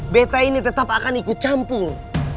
beta ini tetap akan ikut campur